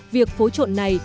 việc phối trộn này